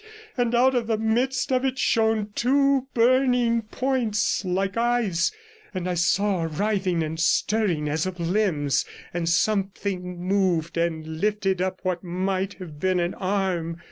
And out of the midst of it shone two burning points like eyes, and I saw a writhing and stirring as of limbs, and something moved and lifted up what might have been an arm.